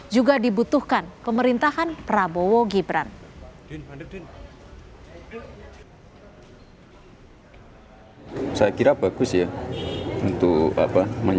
juga dibutuhkan pemerintahan prabowo gibran